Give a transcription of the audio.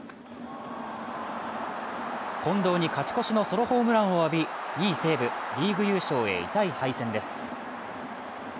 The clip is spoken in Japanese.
近藤に勝ち越しのソロホームランを浴び、２位西武、リーグ優勝へ痛い敗戦です。